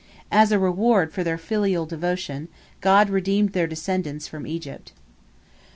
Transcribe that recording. As a reward for their filial devotion, God redeemed their descendants from Egypt.